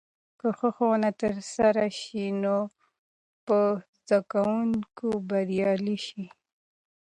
که ښه ښوونه ترسره سي، نو به زده کونکي بريالي سي.